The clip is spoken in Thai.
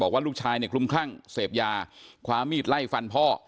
ว่าลูกชายเนี่ยคลุมคลั่งเสพยาคว้ามีดไล่ฟันพ่อ